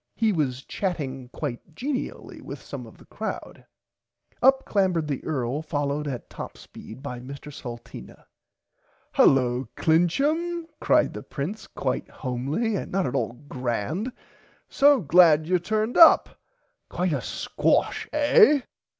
He was chatting quite genially with some of the crowd. Up clambered the earl followed at top speed by Mr Salteena. Hullo Clincham cried the Prince quite homely and not at all grand so glad you turned up quite a squash eh.